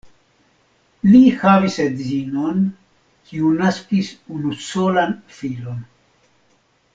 Li havis edzinon, kiu naskis unusolan filon.